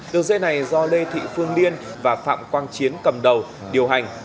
đường dây này do lê thị phương liên và phạm quang chiến cầm đầu điều hành